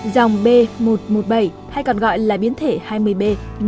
dòng b một một bảy hay còn gọi là biến thể hai mươi b